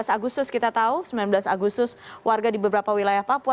tujuh belas agustus kita tahu sembilan belas agustus warga di beberapa wilayah papua